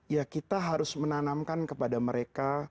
ya kita harus menanamkan kepada mereka